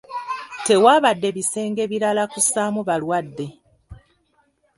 Tewaabadde bisenge birala kussaamu balwadde.